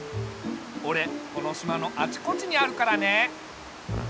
おれこの島のあちこちにあるからね。